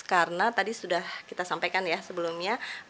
karena tadi sudah kita sampaikan ya sebelumnya